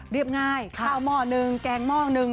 ง่ายข้าวหม้อหนึ่งแกงหม้อหนึ่ง